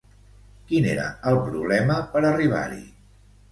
Quin era el problema per arribar-hi?